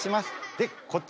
でこっち